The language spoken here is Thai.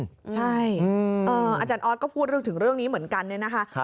ใช่อาจารย์ออสก็พูดถึงเรื่องนี้เหมือนกันเนี่ยนะคะ